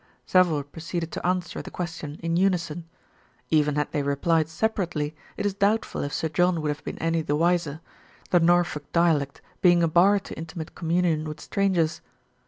Several proceeded to answer the question in unison. Even had they replied separately, it is doubtful if Sir John would have been any the wiser the Norfolk dia lect being a bar to intimate communion with strangers.